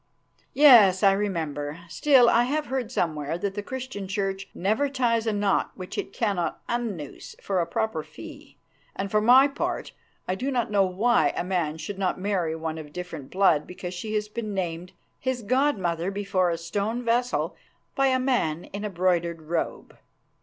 "Yes, I remember. Still, I have heard somewhere that the Christian Church never ties a knot which it cannot unloose for a proper fee, and for my part I do not know why a man should not marry one of different blood because she has been named his god mother before a stone vessel by a man in a broidered robe.